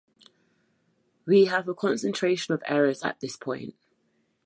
We have a concentration of errors at this point.